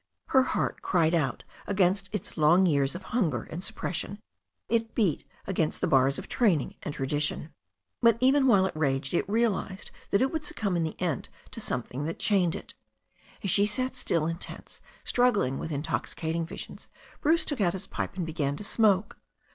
Her heart cried out against its long lean years of hunger and suppression. It beat against the bars of training and tradition. But even while it raged it realized that it would succtunb in the end to the some thing that chained it. As she sat still and tense, struggling with intoxicating visions, Bruce took out his pipe and began to smoke.